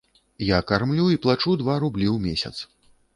Я кармлю і плачу два рублі ў месяц.